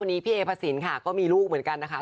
วันนี้พี่เอพระสินค่ะก็มีลูกเหมือนกันนะคะ